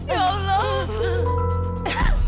ibu yang kuat ya